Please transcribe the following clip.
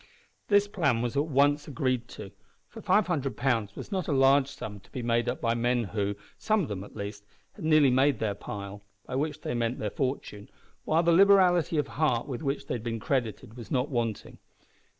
This plan was at once agreed to, for five hundred pounds was not a large sum to be made up by men who some of them at least had nearly made "their pile" by which they meant their fortune, while the liberality of heart with which they had been credited was not wanting.